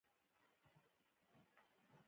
غوږونه له آرامې فضا سره مینه لري